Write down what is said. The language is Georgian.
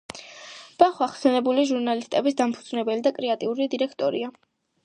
ბახვა ხსენებული ჟურნალების დამფუძნებელი და კრეატიული დირექტორია.